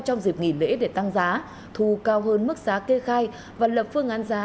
trong dịp nghỉ lễ để tăng giá thu cao hơn mức giá kê khai và lập phương án giá